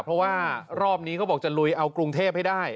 เพราะว่ารอบนี้เขาบอกจะลุยเอากรุงเทพให้ได้